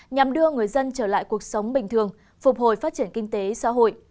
nhằm đưa người dân trở lại cuộc sống bình thường phục hồi phát triển kinh tế xã hội